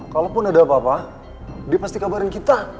kalaupun ada apa apa dia pasti kabarin kita